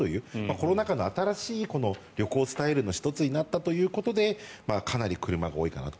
コロナ禍の新しい旅行スタイルの１つになったということでかなり車が多いかなと。